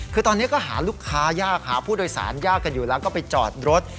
คือตอนนี้ก็หาลูกค้ายากหาผู้โดยสารยากกันอยู่แล้วก็ไปจอดรถ